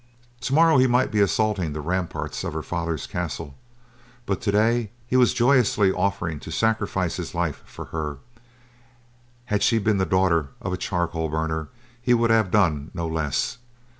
Tomorrow he might be assaulting the ramparts of her father's castle, but today he was joyously offering to sacrifice his life for her—had she been the daughter of a charcoal burner he would have done no less.